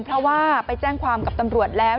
เพราะว่าไปแจ้งความกับตำรวจแล้ว